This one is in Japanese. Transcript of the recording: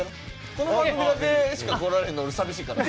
この番組だけしか来られへんの寂しいから。